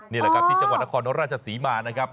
นี่แหละครับที่จังหวัดนครราชศรีมานะครับ